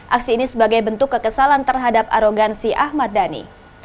aksi ini sebagai bentuk kekesalan terhadap arogansi ahmad dhani